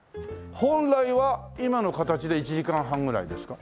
本来は今の形で１時間半ぐらいですか？